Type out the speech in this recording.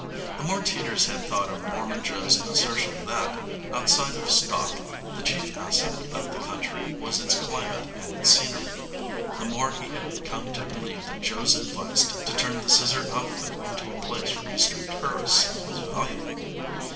The more Teeters had thought of Mormon Joe's assertion that, outside of stock, the chief asset of the country was its climate and its scenery, the more he had come to believe that Joe's advice to turn the Scissor outfit into a place for eastern tourists was valuable.